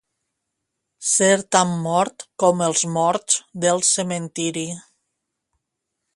Ser tan mort com els morts del cementiri.